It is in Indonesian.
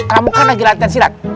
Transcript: kamu kan lagi latihan silat